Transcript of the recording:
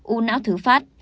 u não thứ phát